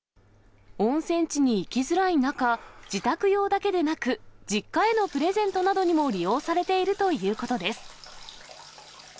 温泉地に行きづらい中、自宅用だけでなく、実家へのプレゼントなどにも利用されているということです。